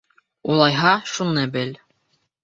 — Улайһа, шуны бел.